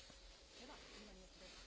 では、次のニュースです。